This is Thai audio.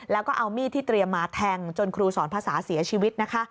แล้วก็เอามีดที่เตรียมมาแทงจนครูสอนภาษาเสียชีวิตนะคะ